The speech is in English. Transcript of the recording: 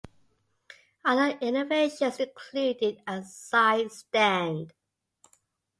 Other innovations included a side stand.